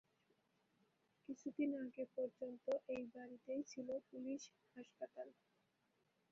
কিছু দিন আগে পর্যন্তও এই বাড়িতেই ছিল পুলিশ হাসপাতাল।